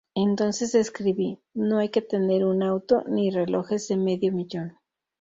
Entonces escribí: 'No hay que tener un auto, ni relojes de medio millón'".